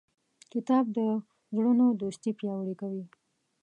کتاب د زړونو دوستي پیاوړې کوي.